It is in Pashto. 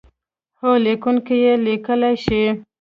هر لیکونکی یې لیکلای شي.